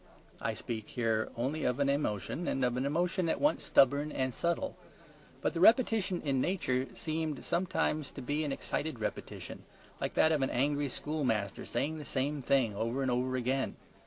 I speak here only of an emotion, and of an emotion at once stubborn and subtle. But the repetition in Nature seemed sometimes to be an excited repetition, like that of an angry schoolmaster saying the same thing over and over again.